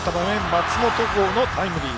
松本剛のタイムリー。